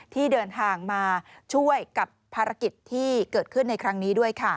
ที่เดินทางมาช่วยกับภารกิจที่เกิดขึ้นในครั้งนี้ด้วยค่ะ